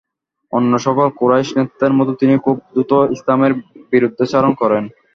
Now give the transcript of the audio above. অন্যসকল কুরাইশ নেতাদের মতো তিনিও খুব দ্রুত ইসলামের বিরুদ্ধাচরণ করেন।